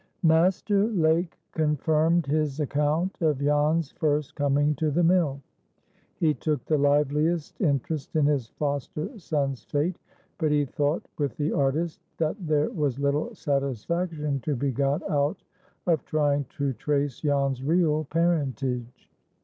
Master Lake confirmed his account of Jan's first coming to the mill. He took the liveliest interest in his foster son's fate, but he thought, with the artist, that there was little "satisfaction" to be got out of trying to trace Jan's real parentage.